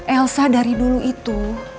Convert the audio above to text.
elsa dari dulu itu